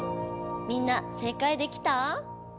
みんな正解できた？